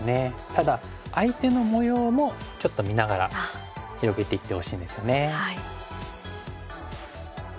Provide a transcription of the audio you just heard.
ただ相手の模様もちょっと見ながら広げていってほしいんですよね。